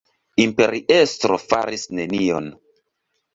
Imperiestro faris nenion.